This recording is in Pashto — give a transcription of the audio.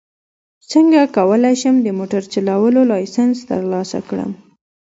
څنګه کولی شم د موټر چلولو لایسنس ترلاسه کړم